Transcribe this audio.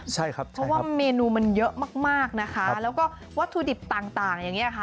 ใช่ครับเพราะว่าเมนูมันเยอะมากมากนะคะแล้วก็วัตถุดิบต่างอย่างนี้ค่ะ